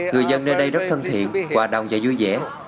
người dân nơi đây rất thân thiện hoạt động và vui vẻ